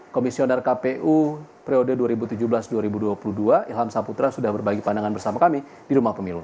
komisioner kpu periode dua ribu tujuh belas dua ribu dua puluh dua ilham saputra sudah berbagi pandangan bersama kami di rumah pemilu